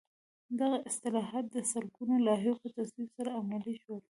دغه اصلاحات د سلګونو لایحو په تصویب سره عملي شول.